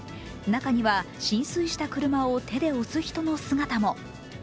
中には浸水した車を手で押す人の姿も。